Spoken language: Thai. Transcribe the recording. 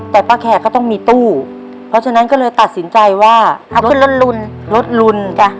แต่ป้าแขกก็ต้องมีตู้เพราะฉะนั้นก็เลยตัดสินใจว่ารถรุน